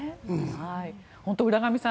本当に浦上さん